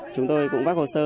chúng tôi cũng vác hồ sơ